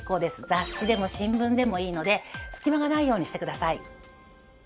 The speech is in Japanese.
雑誌でも新聞でもいいので隙間がないようにしてください。